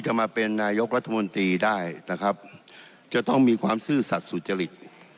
จะมาเป็นนายกรัฐมนตรีได้นะครับจะต้องมีความซื่อสัตว์สุจริต